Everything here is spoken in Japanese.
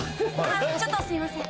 ちょっとすいません。